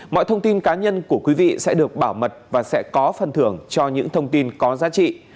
mọi thông tin cá nhân của quý vị sẽ được bảo mật và sẽ có phần thưởng cho những thông tin có giá trị